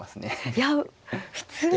いや普通は。